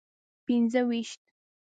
پنځه ویشت.